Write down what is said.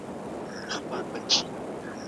د ږیري خاوند ډنډ ته د چاڼ ماشین ونه ووړ.